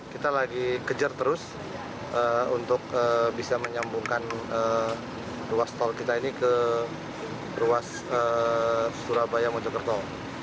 kita lagi kejar terus untuk bisa menyambungkan ruas tol kita ini ke ruas surabaya mojokerto